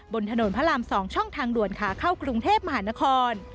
บนถนนพระราม๒ช่องทางด่วนขาเข้ากรุงเทพมหานคร